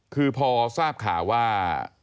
คือพอทราบข่าวว่า